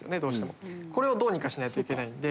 これをどうにかしないといけないんで。